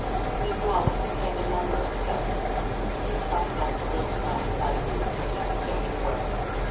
His wallet contained a number of specimens; he plucked up the little plant by the root, and stowed it away.